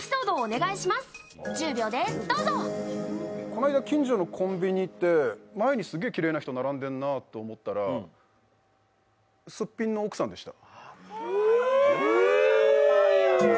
この間近所のコンビニいって前にすげえきれいな人並んでるなって思ったらすっぴんの奥さんでした。